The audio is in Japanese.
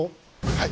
はい。